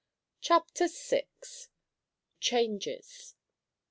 CHAPTER VI. CHANGES.